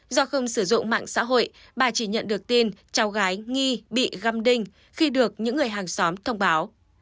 do không sử dụng mạng xã hội bà chỉ nhận được tin cháu gái nghi bị găm đinh khi được những người hàng xóm thông báo